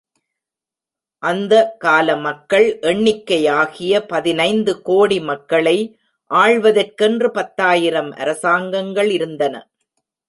அந்த கால மக்கள் எண்ணிக்கையாகிய பதினைந்து கோடி மக்களை ஆள்வதற்கென்று பத்தாயிரம் அரசாங்கங்கள் இருந்தன.